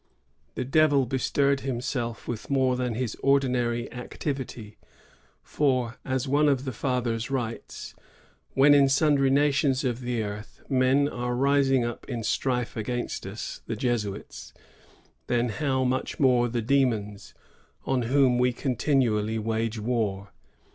The devil bestirred himself with more than his ordinary activity; for," as one of the fathers writes, *^when in sundry nations of the earth men are rising up in strife against us [the Jesuits], then how much more the demons, on whom we continually wage war!'